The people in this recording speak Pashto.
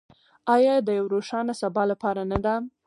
آیا د یو روښانه سبا لپاره نه ده؟